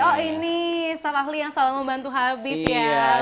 oh ini staf ahli yang selalu membantu habib ya